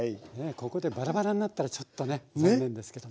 ここでバラバラになったらちょっとね残念ですけども。